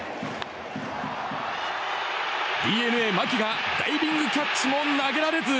ＤｅＮＡ、牧がダイビングキャッチも投げられず。